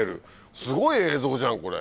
すごい映像じゃんこれ。